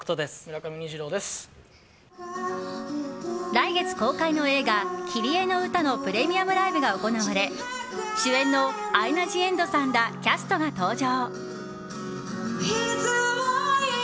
来月公開の映画「キリエのうた」のプレミアムライブが行われ主演のアイナ・ジ・エンドさんらキャストが登場。